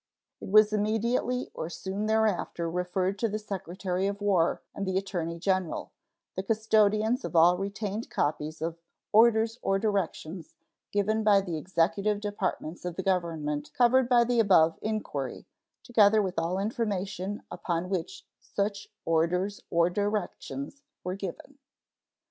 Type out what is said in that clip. It was immediately or soon thereafter referred to the Secretary of War and the Attorney General, the custodians of all retained copies of "orders or directions" given by the Executive Departments of the Government covered by the above inquiry, together with all information upon which such "orders or directions" were given.